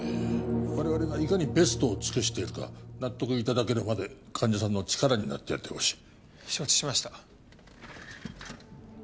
我々がいかにベストを尽くしているか納得いただけるまで患者さんの力になってやってほしい承知しました